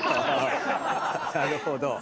なるほど。